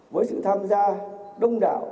với sự tham gia đông đạo